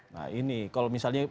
nah ini kalau misalnya